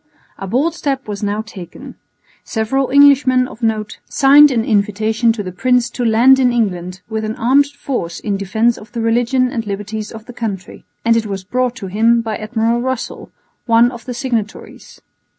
A bold step was now taken. Several Englishmen of note signed an invitation to the prince to land in England with an armed force in defence of the religion and liberties of the country; and it was brought to him by Admiral Russell, one of the signatories.